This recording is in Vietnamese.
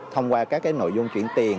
thông qua các cái nội dung chuyển tiền